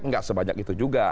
enggak sebanyak itu juga